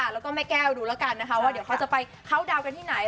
แล้วก็แม่แก้วดูแล้วกันนะคะว่าเดี๋ยวเขาจะไปเข้าดาวน์กันที่ไหน